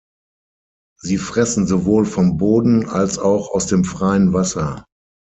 Sie fressen sowohl vom Boden als auch aus dem freien Wasser.